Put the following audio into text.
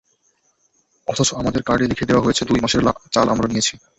অথচ আমাদের কার্ডে লিখে দেওয়া হয়েছে দুই মাসের চাল আমরা নিয়েছি।